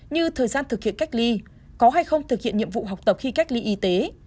như thời gian thực hiện cách ly có hay không thực hiện nhiệm vụ học tập khi cách ly y tế